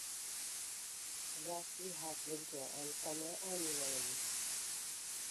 Thus we have winter and summer annually.